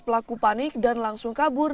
pelaku panik dan langsung kabur